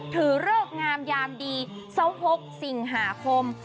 ถือเริกงามยามดีเศร้าพกสิ่งหาคม